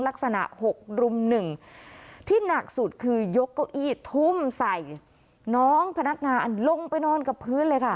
ลักษณะ๖รุมหนึ่งที่หนักสุดคือยกเก้าอี้ทุ่มใส่น้องพนักงานลงไปนอนกับพื้นเลยค่ะ